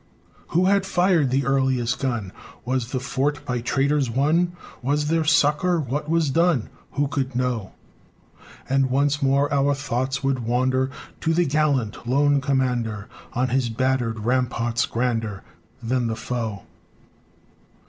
Who had fired the earliest gun? Was the fort by traitors won? Was there succor? What was done Who could know? And once more our thoughts would wander To the gallant, lone commander, On his battered ramparts grander Than the foe.